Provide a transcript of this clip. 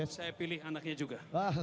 saya pilih anaknya juga